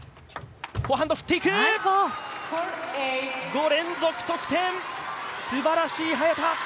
５連続得点、すばらしい早田！